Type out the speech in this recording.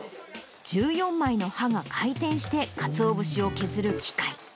１４枚の刃が回転してかつお節を削る機械。